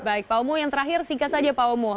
baik pak omoh yang terakhir singkat saja pak omoh